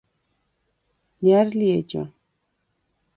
ჲა̈რ ლი ეჯა?